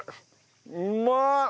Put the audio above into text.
うまっ！